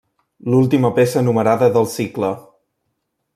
L'última peça numerada del cicle.